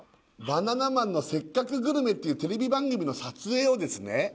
「バナナマンのせっかくグルメ！！」っていうテレビ番組の撮影をですね